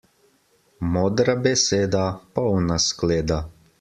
Modra beseda, polna skleda.